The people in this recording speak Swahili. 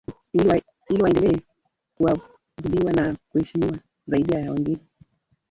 ili waendelee kuabudiwa na kuheshimiwa zaidi ya wengine